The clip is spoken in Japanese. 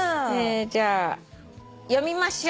じゃあ読みましょう。